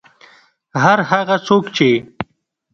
هر هغه څوک چې